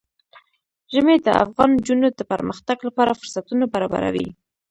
ژمی د افغان نجونو د پرمختګ لپاره فرصتونه برابروي.